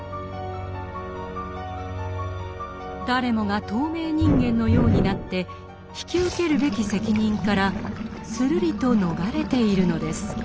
誰もが透明人間のようになって引き受けるべき責任からするりと逃れているのです。